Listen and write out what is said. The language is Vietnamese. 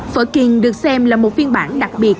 phở king được xem là một phiên bản đặc biệt